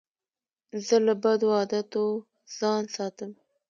زه له بدو عادتو ځان ساتم.